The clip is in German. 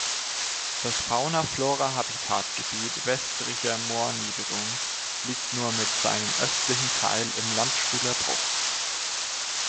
Das Fauna-Flora-Habitat-Gebiet Westricher Moorniederung liegt nur mit seinem östlichen Teil im Landstuhler Bruch.